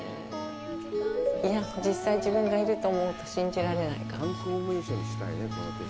いやぁ、実際、自分がいると思うと信じられない。